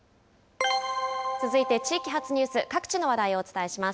続いて地域発ニュース、各地の話題をお伝えします。